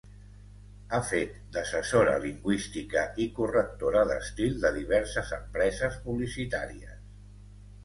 Ha fet d'assessora lingüística i correctora d'estil de diverses empreses publicitàries.